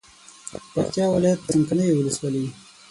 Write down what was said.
د پکتیا ولایت څمکنیو ولسوالي